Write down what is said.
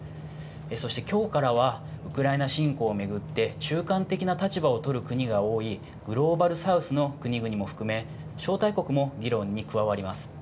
そしてきょうからはウクライナ侵攻を巡って中間的な立場を取る国が多いグローバル・サウスの国々も含め、招待国も議論に加わります。